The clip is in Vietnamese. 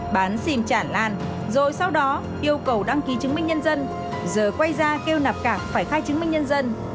bán xìm chản lan rồi sau đó yêu cầu đăng ký chứng minh nhân dân giờ quay ra kêu nạp cảng phải khai chứng minh nhân dân